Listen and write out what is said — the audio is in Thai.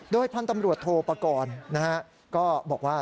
โดยพันธุ์ตำรวจโทรประกอบก็บอกว่า